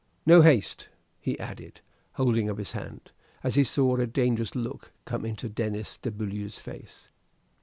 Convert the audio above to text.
No haste!" he added, holding up his hand, as he saw a dangerous look come into Denis de Beaulieu's face.